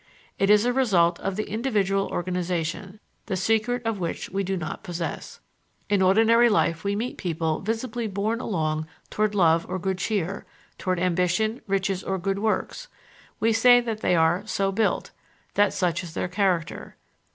It is a result of the individual organization, the secret of which we do not possess. In ordinary life we meet people visibly borne along toward love or good cheer, toward ambition, riches or good works; we say that they are "so built," that such is their character.